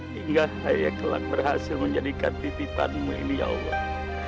hingga saya telah berhasil menjadikan titipan mu ini ya allah